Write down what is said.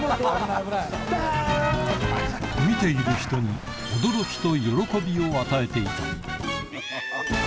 見ている人に驚きと喜びを与えていた